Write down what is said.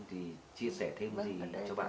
thì chia sẻ thêm gì cho bạn